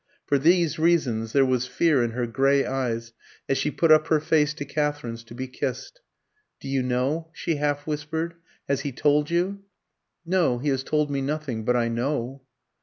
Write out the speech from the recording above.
For these reasons there was fear in her grey eyes as she put up her face to Katherine's to be kissed. "Do you know?" she half whispered. "Has he told you?" "No, he has told me nothing; but I know."